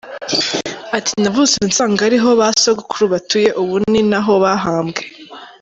Ati “ Navutse nsanga ariho ba sogokuru batuye, ubu ni naho bahambwe.